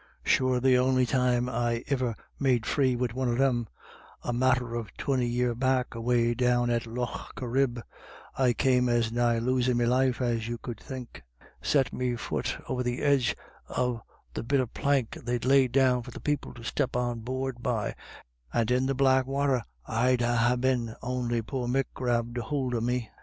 Sure the 214 IRISH IDYLLS. on'y time I iver made free wid one of them, a matter of twinty year back, away down at Lough Cor rib, I came as nigh losin' me life as you could think — set me fut over the edge of the bit o' plank they'd laid down for the people to step on board by, and in the black wather I'd ha' been on'y poor Mick grabbed a hould of me.